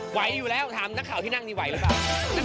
ไหวอยู่แล้วถามนักข่าวที่นั่งนี่ไหวหรือเปล่า